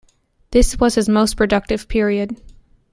This was his most productive period.